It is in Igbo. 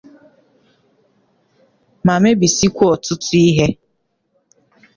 ma mebisiekwa ọtụtụ ihe